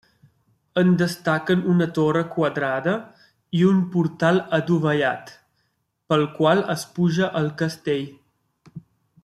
En destaquen una torre quadrada i un portal adovellat pel qual es puja al castell.